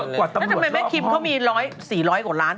แล้วทำไมแม่คิมเขามี๔๐๐กว่าล้าน